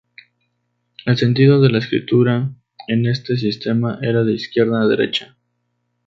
El sentido de la escritura en este sistema era de izquierda a derecha.